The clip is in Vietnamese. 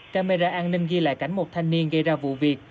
camera an ninh ghi lại cảnh một thanh niên gây ra vụ việc